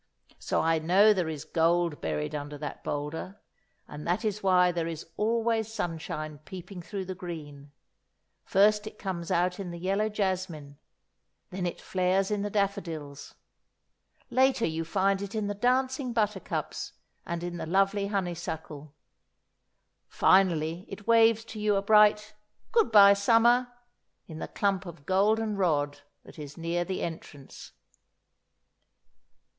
So I know there is gold buried under that boulder, and that is why there is always sunshine peeping through the green; first it comes out in the yellow jasmine, then it flares in the daffodils, later you find it in the dancing buttercups and in the lovely honeysuckle, finally it waves to you a bright "Good bye, Summer," in the clump of golden rod that is near the entrance.